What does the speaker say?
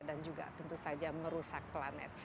dan juga tentu saja merusak planet